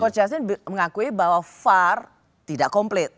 coach yasin mengakui bahwa far tidak komplit